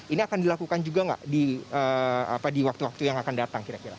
ini akan dilakukan juga nggak di waktu waktu yang akan datang kira kira